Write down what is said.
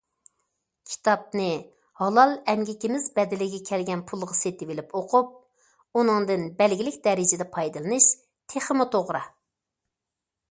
كىتابنى ھالال ئەمگىكىمىز بەدىلىگە كەلگەن پۇلغا سېتىۋېلىپ ئوقۇپ، ئۇنىڭدىن بەلگىلىك دەرىجىدە پايدىلىنىش تېخىمۇ توغرا.